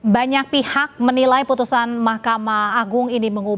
banyak pihak menilai putusan mahkamah agung ini